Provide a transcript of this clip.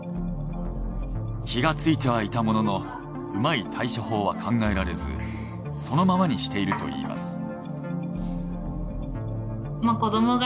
気がついてはいたもののうまい対処法は考えられずそのままにしているといいます。